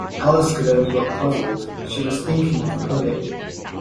Alice could only look puzzled: she was thinking of the pudding.